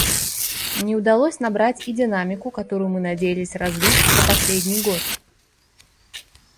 Не удалось набрать и динамику, которую мы надеялись развить за последний год.